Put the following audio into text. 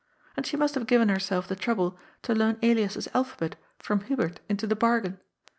And she must have given herself the trouble to learn Elias's alphabet from Hubert into the bar gain.